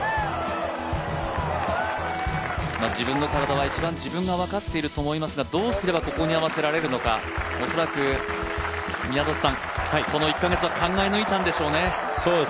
自分の体は一番自分が分かっていると思いますが、どうすればここに合わせられるのか恐らくこの１カ月は考え抜いたんでしょうね。